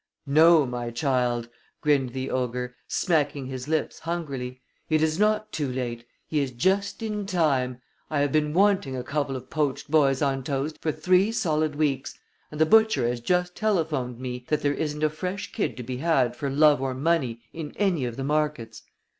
"No, my child," grinned the ogre, smacking his lips hungrily. "It is not too late. He is just in time. I have been wanting a couple of poached boys on toast for three solid weeks, and the butcher has just telephoned me that there isn't a fresh kid to be had for love or money in any of the markets."